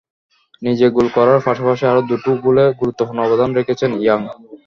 নিজে গোল করার পাশাপাশি আরও দুটো গোলে গুরুত্বপূর্ণ অবদান রেখেছেন ইয়াং।